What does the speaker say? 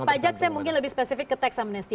dari pajak saya mungkin lebih spesifik ke tax amnesty